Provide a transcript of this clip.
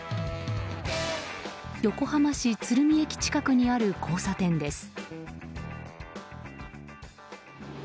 横浜市鶴見駅近くにある交差点です。